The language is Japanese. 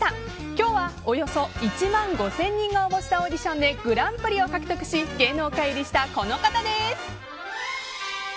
今日はおよそ１万５０００人が応募したオーディションでグランプリを獲得し芸能界入りしたこの方です。